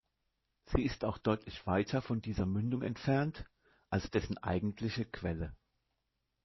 Sie ist auch deutlich weiter von dieser Mündung entfernt, als dessen eigentliche Quelle.